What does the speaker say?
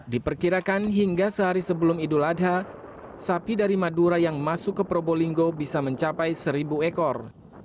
diperkirakan hingga sehari sebelum idul adha sapi dari madura yang masuk ke probolinggo bisa mencapai seribu ekor